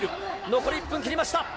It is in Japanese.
残り１分切りました。